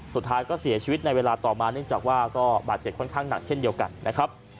สุดท้ายก็เสียชีวิตในเวลาต่อมาเนื่องจากว่าก็บาดเจ็บค่อนข้างหนักเช่นเดียวกันนะครับ